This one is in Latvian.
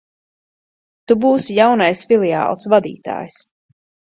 Tu būsi jaunais filiāles vadītājs.